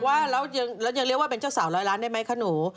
ว่าแล้วยังเรียกว่าเป็นเจ้าสาวร้อยล้านได้ไหมคะหนู